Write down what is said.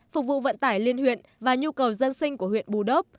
phục vụ vận tải liên huyện và nhu cầu dân sinh của huyện bù đốp